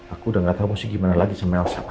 aku udah gak tau mau gimana lagi sama elsa ma